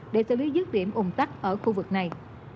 để xử lý dứt điểm ủng tắc ở khu vực này